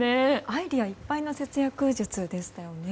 アイデアいっぱいの節約術でしたね。